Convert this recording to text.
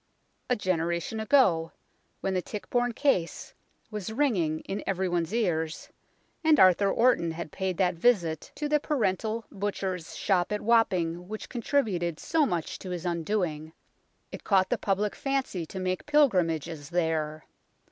A generation ago, when the Tichborne case was ringing in every one's ears, and Arthur Orton had paid that visit to the parental butcher's ii2 UNKNOWN LONDON shop at Wapping which contributed so much to his undoing, it caught the public fancy to make pilgrimages there.